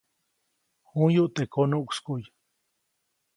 J̃uyuʼt teʼ konuʼkskuʼy.